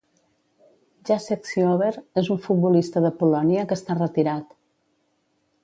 Jacek Ziober és un futbolista de Polònia que està retirat.